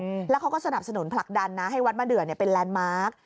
อืมแล้วเขาก็สนับสนุนผลักดันนะให้วัดมะเดือเนี้ยเป็นแลนด์มาร์ค